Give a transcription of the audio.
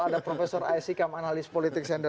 ada profesor aisyikam analis politik sender